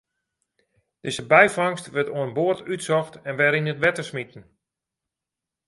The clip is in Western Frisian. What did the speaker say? Dizze byfangst wurdt oan board útsocht en wer yn it wetter smiten.